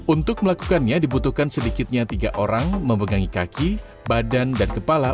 untuk melakukannya dibutuhkan sedikitnya tiga orang memegangi kaki badan dan kepala